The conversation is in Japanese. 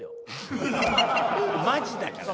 マジだからね。